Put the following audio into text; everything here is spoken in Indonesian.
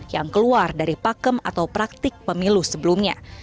yang keluar dari pakem atau praktik pemilu sebelumnya